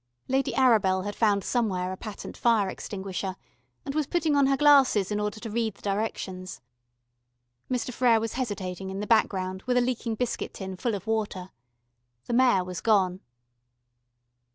Lady Arabel had found somewhere a patent fire extinguisher, and was putting on her glasses in order to read the directions. Mr. Frere was hesitating in the background with a leaking biscuit tin full of water. The Mayor was gone.